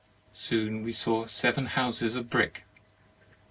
Soon we saw seven houses of brick.